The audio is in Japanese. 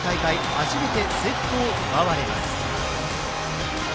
初めてセットを奪われます。